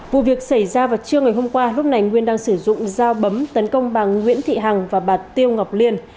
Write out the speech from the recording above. vụ việc xảy ra vào trưa ngày hôm qua lúc này nguyên đang sử dụng dao bấm tấn công bà nguyễn thị hằng và bà tiêu ngọc liên